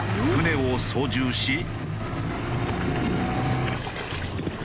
船を操縦し。